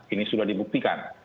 ini sudah dibuktikan